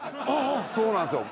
そうなんですよ。